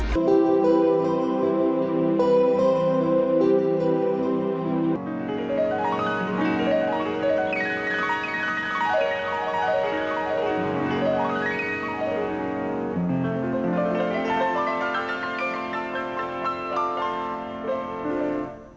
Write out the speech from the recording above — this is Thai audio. สวัสดีครับสวัสดีครับ